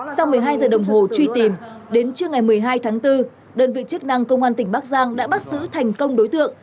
sau một mươi hai giờ đồng hồ truy tìm đến trưa ngày một mươi hai tháng bốn đơn vị chức năng công an tỉnh bắc giang đã bắt giữ thành công đối tượng